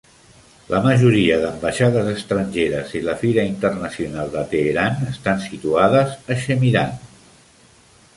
La majoria d'ambaixades estrangeres i la Fira Internacional de Teheran estan situades a Shemiran.